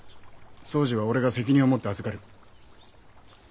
総司は俺が責任を持って預かる。